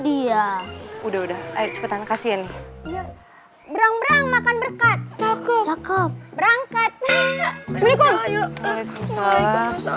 dia udah udah ayo cepetan kasih ini berang berang makan berkat cakep cakep berangkat berikutnya